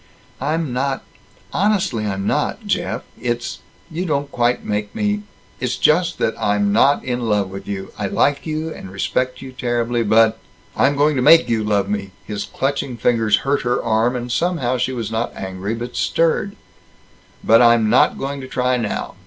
"I'm not hon estly I'm not, Jeff. It's You don't quite make me It's just that I'm not in love with you. I like you, and respect you terribly, but " "I'm going to make you love me." His clutching fingers hurt her arm, and somehow she was not angry, but stirred. "But I'm not going to try now.